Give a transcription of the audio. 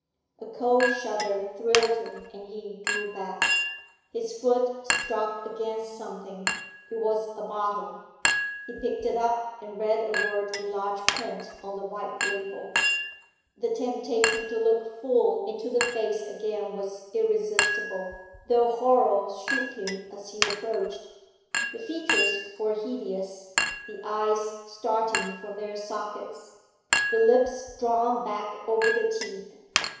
A cold shudder thrilled him, and he drew back. His foot struck against something; it was a bottle. He picked it up, and read a word in large print on the white label. The temptation to look full into the face again was irresistible, though horror shook him as he approached. The features were hideous, the eyes starting from their sockets, the lips drawn back over the teeth.